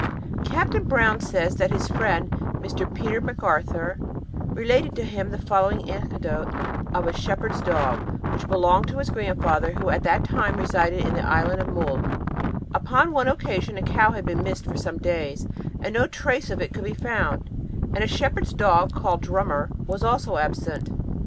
Captain Brown says that his friend, Mr. Peter Macarthur, related to him the following anecdote of a shepherd's dog, which belonged to his grandfather, who at that time resided in the Island of Mull: Upon one occasion a cow had been missed for some days, and no trace of it could be found; and a shepherd's dog, called Drummer, was also absent.